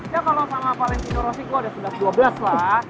ya kalo sama valentino rossi gue udah sebelas dua belas lah